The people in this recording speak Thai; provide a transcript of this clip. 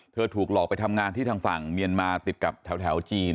ถูกหลอกไปทำงานที่ทางฝั่งเมียนมาติดกับแถวจีน